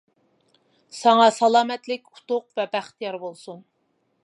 ساڭا سالامەتلىك، ئۇتۇق ۋە بەخت يار بولسۇن!